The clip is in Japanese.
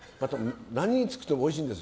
何作ってもおいしいんです。